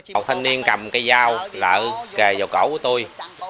một thanh niên cầm cái dao lỡ kề vào cổ của tôi